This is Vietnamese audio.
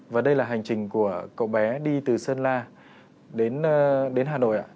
và đây là hành trình của cậu bé đi từ sơn la đến hà nội ạ